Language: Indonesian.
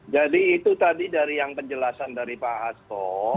jadi itu tadi dari yang penjelasan dari pak asto